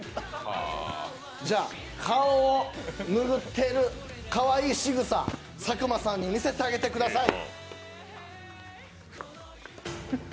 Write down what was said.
じゃ、顔を拭ってるかわいいしぐさ、佐久間さんに見せてあげてください。